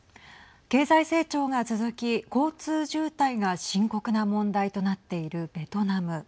経済成長が続き交通渋滞が深刻な問題となっているベトナム。